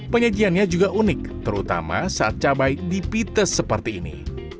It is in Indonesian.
penyajiannya juga unik terutama saat cabai dipites seperti ini